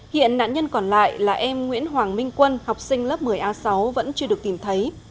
hiện nạn nhân còn lại là em nguyễn hoàng minh quân học sinh lớp một mươi a sáu vẫn chưa được tìm thấy